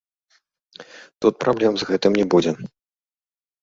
Тут праблем з гэтым не будзе.